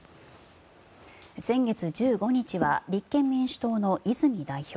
先月１５日は立憲民主党の泉代表